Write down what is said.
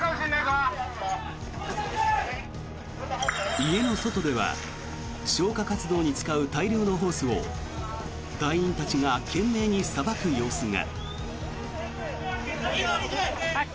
家の外では消火活動に使う大量のホースを隊員たちが懸命にさばく様子が。